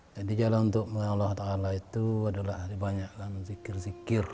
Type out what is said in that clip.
jadi jalan untuk mengenal allah ta'ala itu adalah dibanyakan zikir zikir